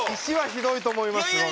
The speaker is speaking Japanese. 石はひどいと思います。